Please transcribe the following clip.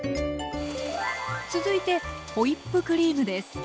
続いてホイップクリームです。